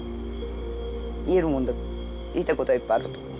言えるもんだったら言いたいことはいっぱいあると思う。